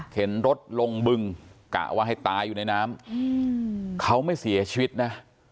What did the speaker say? รถลงบึงกะว่าให้ตายอยู่ในน้ำเขาไม่เสียชีวิตนะ